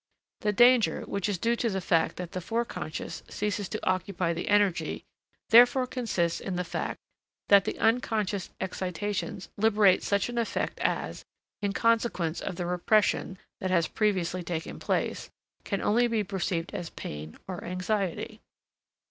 The danger, which is due to the fact that the Forec. ceases to occupy the energy, therefore consists in the fact that the unconscious excitations liberate such an affect as in consequence of the repression that has previously taken place can only be perceived as pain or anxiety.